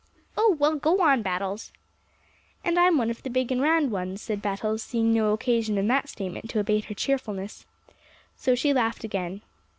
"Oh, well, go on, Battles." "And I'm one of the big and round ones," said Battles, seeing no occasion in that statement to abate her cheerfulness. So she laughed again.